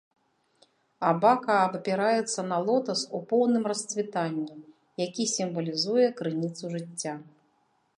Абака абапіраецца на лотас у поўным расцвітанні, які сімвалізуе крыніцу жыцця.